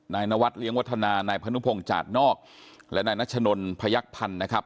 นายนวัดเลี้ยงวัฒนานายพนุพงศ์จาดนอกและนายนัชนนพยักษ์พันธ์นะครับ